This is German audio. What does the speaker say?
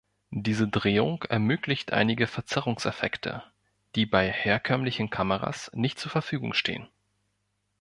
Diese Drehung ermöglicht einige Verzerrungseffekte, die bei herkömmlichen Kameras nicht zur Verfügung stehen.